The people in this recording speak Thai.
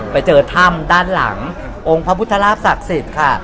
ไปเจอถ้ำด้านหลังองค์พระพุทธราบศักดิ์สิทธิ์ค่ะ